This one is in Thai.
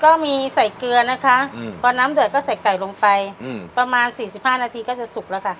ก็มีใส่เกลือนะคะพอน้ำเดือดก็ใส่ไก่ลงไปประมาณ๔๕นาทีก็จะสุกแล้วค่ะ